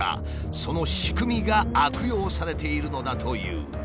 その仕組みが悪用されているのだという。